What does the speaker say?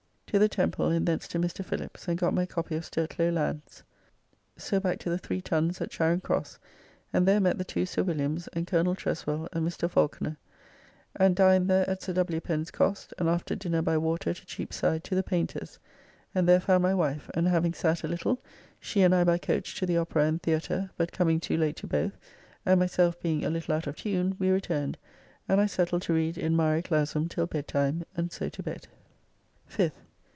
To the Temple, and thence to Mr. Phillips and got my copy of Sturtlow lands. So back to the 3 Tuns at Charing Cross, and there met the two Sir Williams and Col. Treswell and Mr. Falconer, and dined there at Sir W. Pen's cost, and after dinner by water to Cheapside to the painter's, and there found my wife, and having sat a little she and I by coach to the Opera and Theatre, but coming too late to both, and myself being a little out of tune we returned, and I settled to read in "Mare Clausum "till bedtime, and so to bed. 5th.